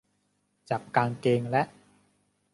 จับกางเกงและ